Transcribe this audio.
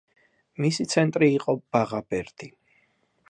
მისი ცენტრი იყო ბაღაბერდი.